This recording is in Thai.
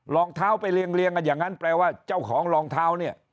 รองเท้าไปเรียงกันอย่างนั้นแปลว่าเจ้าของรองเท้าเนี่ย